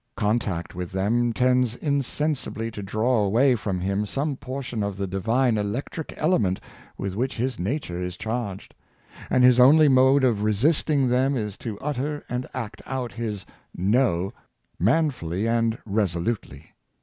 Contact with them tends insensibly to draw away from him some portion of the divine electric element with which his nature is charged; and his only mode of resisting them is to ut ter and act out his " No " manfully and resolutely.